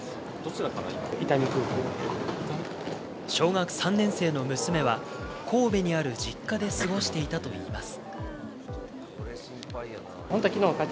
小学３年生の娘は神戸にある実家で過ごしていたといいます。